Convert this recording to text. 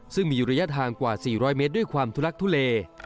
ซึ่งมีระยะทางกว่า๔๐๐เมตรด้วยความทุลักทุเล